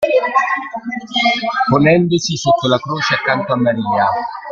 Ponendosi sotto la croce accanto a Maria.